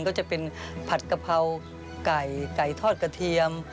ก็จะเป็นผัดกะเพราไก่ไก่ทอดกระเทียม